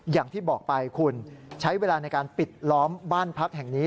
อย่างที่บอกไปคุณใช้เวลาในการปิดล้อมบ้านพักแห่งนี้